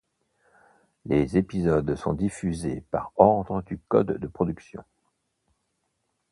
Les épisodes sont diffusées par ordre du code de production.